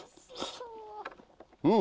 うん！